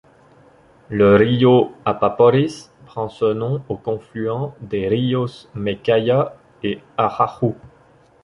Le río Apaporis prend ce nom au confluent des ríos Mecaya et Ajaju.